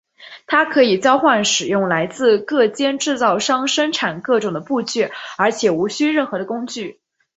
它可以交换使用来自各间制造商生产各种的部件而且无需任何的工具。